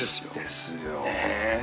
ですよ。ねえ！